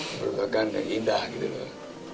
merupakan yang indah gitu loh